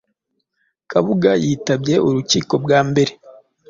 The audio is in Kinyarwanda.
Kabuga yitabye urukiko bwa mbere